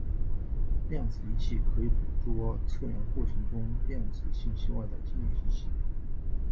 量子仪器可以捕捉测量过程中量子信息外的经典信息。